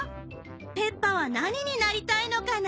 ペッパは何になりたいのかな？